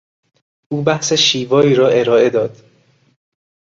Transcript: او بحث شیوایی را ارائه داد.